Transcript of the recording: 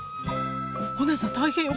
お姉さん大変よ